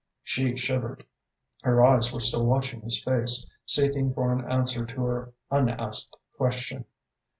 She shivered. Her eyes were still watching his face, seeking for an answer to her unasked question.